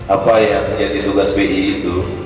apa yang jadi tugas bi itu